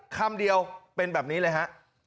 คำเดียวเป็นแบบนี้เลยฮะ